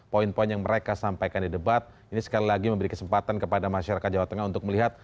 poin poin yang mereka sampaikan di debat ini sekali lagi memberi kesempatan kepada masyarakat jawa tengah untuk melihat